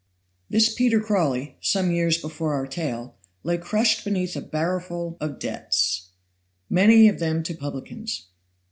This Peter Crawley, some years before our tale, lay crushed beneath a barrowful of debts many of them to publicans.